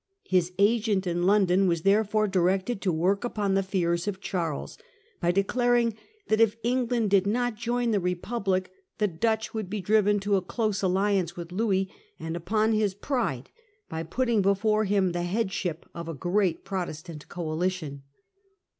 His agent in London was therefore directed to work upon the fears of Charles by declaring that if England did not join the Republic the Dutch would be driven to a close alliance with Louis, 1667 . English Diplomacy . 157 and upon his pride by putting before him the headship of a great Protestant coalition.